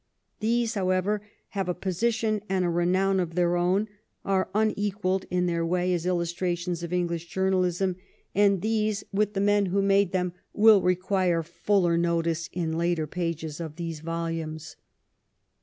These, however, have a position and a renown of their own, are unequalled in their way as illustrations of English journalism, and these, with 220 THE LONDON OF QUEEN ANNE the men who made them, will require fuller notice in later pages of these volumes.